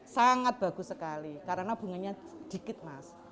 sangat bagus sekali karena bunganya sedikit mas